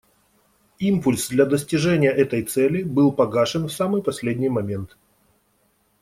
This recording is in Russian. Импульс для достижения этой цели был погашен в самый последний момент.